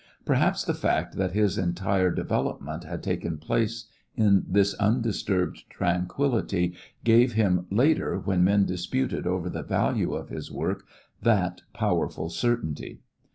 Perhaps the fact that his entire development had taken place in this undisturbed tranquility gave him later, when men disputed over the value of his work, that powerful certainty.